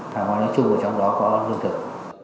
và ngoài nói chung trong đó có lương thực